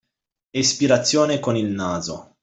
Espirazione con il naso.